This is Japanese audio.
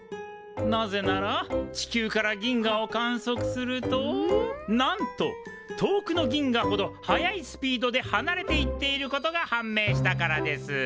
なぜなら地球から銀河を観測するとなんと遠くの銀河ほど速いスピードではなれていっていることが判明したからです。